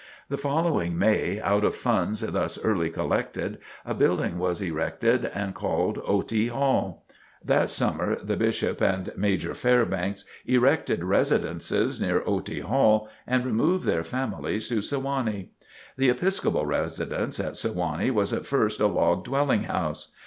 The following May, out of funds thus early collected, a building was erected and called "Otey Hall." That summer the Bishop and Major Fairbanks erected residences near Otey Hall and removed their families to Sewanee. The Episcopal residence at Sewanee was at first a log dwelling house.